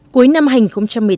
cuối năm hành cũng chẳng hạn